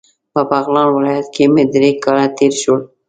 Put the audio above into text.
په بغلان ولایت کې مې درې کاله تیر شول.